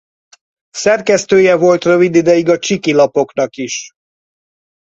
Szerkesztője volt rövid ideig a Csiki Lapoknak is.